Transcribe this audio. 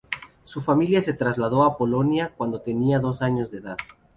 Su familia se trasladó a Polonia cuando tenía dos años de edad.